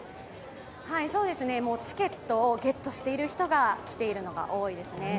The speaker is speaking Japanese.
チケットをゲットしている人が来ているのが多いですね。